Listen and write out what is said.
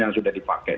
yang sudah dipakai